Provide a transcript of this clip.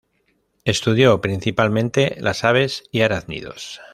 Estudió principalmente las aves y arácnidos.